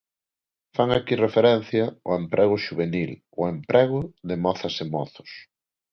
Fan aquí referencia ao emprego xuvenil, ao emprego de mozas e mozos.